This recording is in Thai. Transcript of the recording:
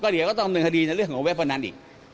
เดี๋ยวก็ต้องเนินคดีในเรื่องของเว็บพนันอีก